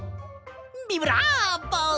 ビブラーボ！